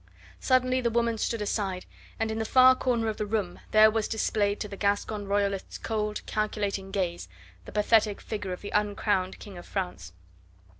Suddenly the woman stood aside, and in the far corner of the room there was displayed to the Gascon Royalist's cold, calculating gaze the pathetic figure of the uncrowned King of France.